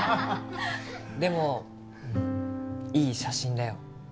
でもいい写真だよ。